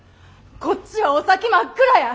こっちはお先真っ暗や！